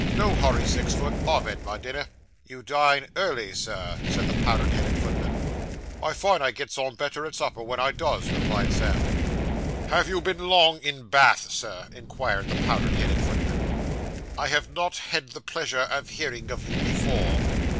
No hurry, six foot. I've had my dinner.' 'You dine early, sir,' said the powdered headed footman. 'I find I gets on better at supper when I does,' replied Sam. 'Have you been long in Bath, sir?' inquired the powdered headed footman. 'I have not had the pleasure of hearing of you before.